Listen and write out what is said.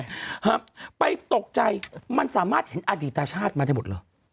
ครับไปตกใจมันสามารถเห็นอดีตชาติมาได้หมดเหรอ